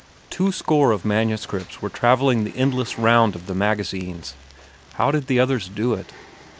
Twoscore of manuscripts were travelling the endless round of the magazines. How did the others do it?